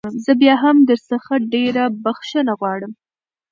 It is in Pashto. زه بيا هم درڅخه ډېره بخښنه غواړم.